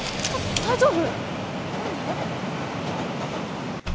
大丈夫。